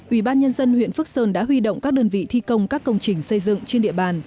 ủy ban nhân dân huyện phước sơn đã huy động các đơn vị thi công các công trình xây dựng trên địa bàn